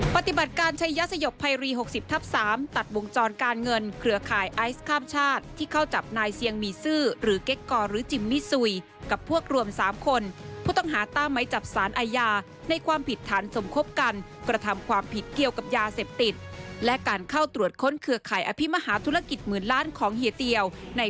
ปฏิบัติการชัยสยบภัยรี๖๐ทับ๓ตัดวงจรการเงินเครือข่ายไอซ์ข้ามชาติที่เข้าจับนายเซียงมีซื่อหรือเก๊กกอร์หรือจิมมิซุยกับพวกรวม๓คนผู้ต้องหาตามไหมจับสารอาญาในความผิดฐานสมคบกันกระทำความผิดเกี่ยวกับยาเสพติดและการเข้าตรวจค้นเครือข่ายอภิมหาธุรกิจหมื่นล้านของเฮียเตียวใน